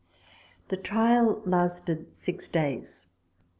The trial lasted six days.